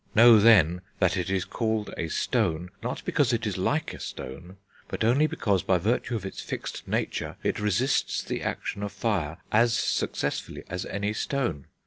Know then that it is called a stone, not because it is like a stone, but only because, by virtue of its fixed nature, it resists the action of fire as successfully as any stone.